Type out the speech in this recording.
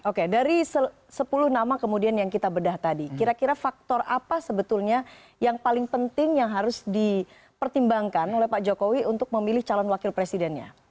oke dari sepuluh nama kemudian yang kita bedah tadi kira kira faktor apa sebetulnya yang paling penting yang harus dipertimbangkan oleh pak jokowi untuk memilih calon wakil presidennya